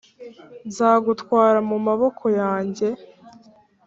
nzagutwara mu maboko yanjye,